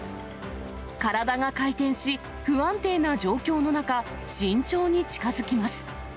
体が回転し、不安定な状況の中、慎重に近づきます。